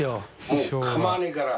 もう構わないから。